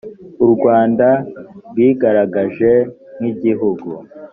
u rwanda rwigaragaje nk igihugu